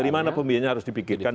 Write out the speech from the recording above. dari mana pembiayanya harus dipikirkan